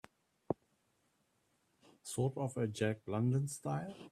Sort of a Jack London style?